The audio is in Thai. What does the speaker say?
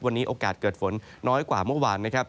วันนี้โอกาสเกิดฝนน้อยกว่าเมื่อวานนะครับ